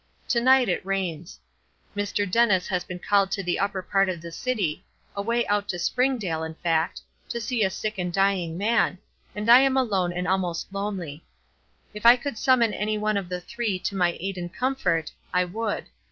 To night it rains. Mr. Dennis has been called to the upper part of the city, away out to Springdale, in fact, to see a sick and dying man, and I am alone and almost lonely. If I could summon any one of the three to my aid and comfort I would.